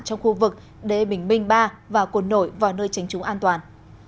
trong khu vực để bình minh ba và cột nổi vào nơi tránh chúng an toàn